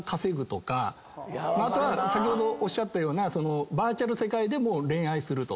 あと先ほどおっしゃったようなバーチャル世界で恋愛すると。